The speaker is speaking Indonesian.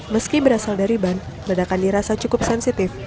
meski berasal dari ban ledakan dirasa cukup sensitif